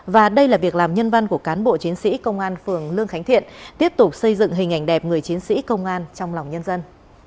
và đây là việc làm nhân văn của cán bộ chiến sĩ công an phường lương khánh thiện tiếp tục xây dựng hình ảnh đẹp người chiến sĩ công an trong lòng nhân dân